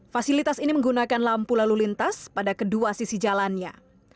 fasilitas ini menggunakan lampu lalu lintas pada kedua sisi jalannya